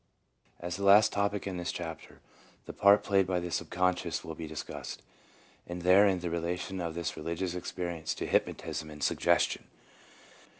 As the last topic in this chapter, the part played by the subconscious 1 will be discussed, and therein the relation of this religious experience to hypnotism and suggestion.